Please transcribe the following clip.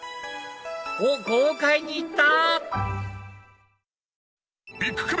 おっ豪快にいった！